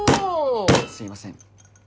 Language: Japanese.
すいません